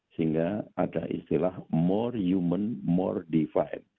sehingga ada istilah more human more divide